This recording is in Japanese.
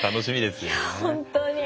いや本当に。